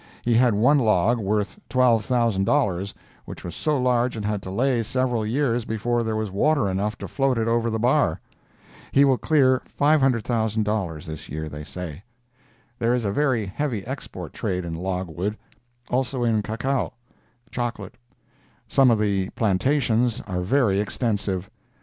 He had one log, worth $12,000, which was so large it had to lay several years before there was water enough to float it over the bar. He will clear $500,000 this year, they say. There is a very heavy export trade in logwood. Also in cacao (chocolate). Some of the plantations are very extensive.